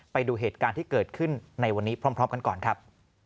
ไปดูเหตุการณ์ที่เกิดขึ้นในวันนี้พร้อมกันก่อนครับ